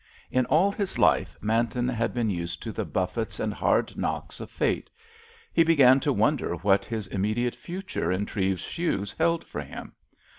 In all his life Manton had been used to the buffets and hard knocks of Fate; he began to wonder what his immediate future in Treves's shoes held for him.